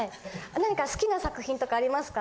何か好きな作品とかありますか？